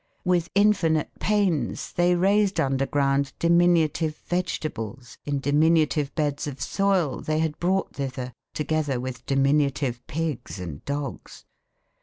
With infinite pains they raised underground diminutive vegetables in diminutive beds of soil they had brought thither together with diminutive pigs and dogs....